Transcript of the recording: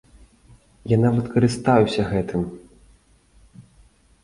Я нават карыстаюся гэтым!